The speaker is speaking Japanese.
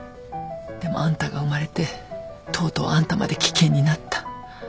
でもあんたが生まれてとうとうあんたまで危険になった。